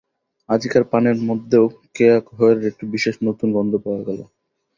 আজিকার পানের মধ্যেও কেয়া খয়েরের একটু বিশেষ নূতন গন্ধ পাওয়া গেল।